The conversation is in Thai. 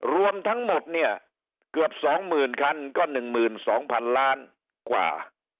รวมทั้งหมดเนี่ยเกือบ๒๐๐๐คันก็๑๒๐๐๐ล้านกว่า